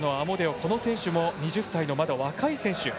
この選手も２０歳のまだ若い選手。